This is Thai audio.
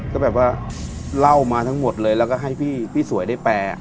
ก็แบบว่าเล่ามาทั้งหมดเลยแล้วก็ให้พี่สวยได้แปล